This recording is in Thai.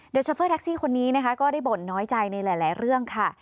โดยโชเฟอร์แท็กซี่คนนี้นะคะก็ได้บ่นน้อยใจในหลายเรื่องค่ะ